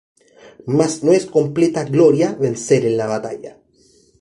Mas no es completa gloria vencer en la batalla